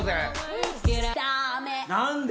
何で？